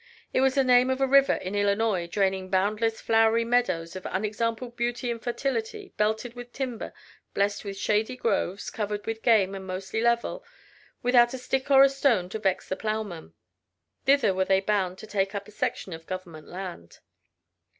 It was the name of a river in Illinois draining "boundless, flowery meadows of unexampled beauty and fertility, belted with timber, blessed with shady groves, covered with game and mostly level, without a stick or a stone to vex the plowman." Thither they were bound to take up a section of government land.